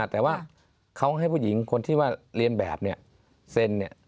แต่ว่าเขาให้ผู้หญิงคนที่ว่าเรียนแบบเนี่ยเซ็นเนี่ย